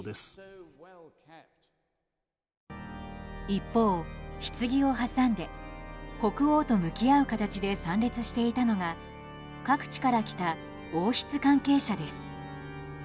一方、ひつぎを挟んで国王と向き合う形で参列していたのが各地から来た王室関係者です。